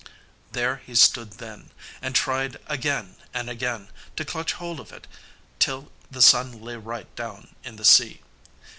There he stood then, and tried again and again to clutch hold of it till the sun lay right down in the sea.